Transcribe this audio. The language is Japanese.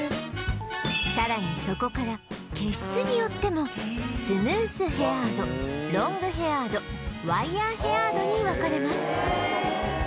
さらにそこから毛質によってもスムースヘアードロングヘアードワイヤーヘアードに分かれます